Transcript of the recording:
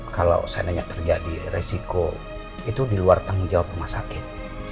kalau saya nanya terjadi resiko itu diluar tanggung jawab rumah sakit